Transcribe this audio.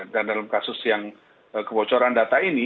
dan dalam kasus yang kebocoran data ini